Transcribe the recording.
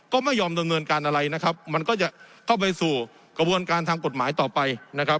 ก็ไม่ยอมดำเนินการอะไรนะครับมันก็จะเข้าไปสู่กระบวนการทางกฎหมายต่อไปนะครับ